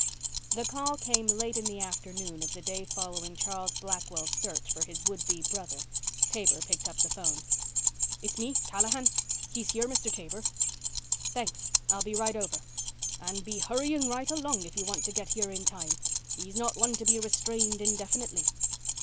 The call came late in the afternoon of the day following Charles Blackwell's search for his would be brother. Taber picked up the phone. "It's me Callahan. He's here, Mr. Taber." "Thanks. I'll be right over." "And be hurrying right along if you want to get here in time. He's not one to be restrained indefinitely."